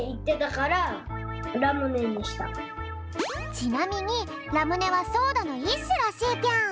ちなみにラムネはソーダのいっしゅらしいぴょん。